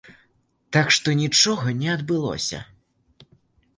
Так што нічога не адбылося.